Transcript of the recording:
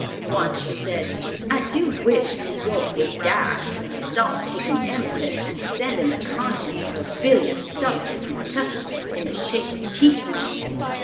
Once she said, "I do wish New York would die, or stop taking emetics, and sending the contents of her bilious stomach to Kentucky in the shape of teachers!"